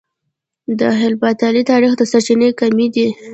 د هېپتالي تاريخ سرچينې کمې دي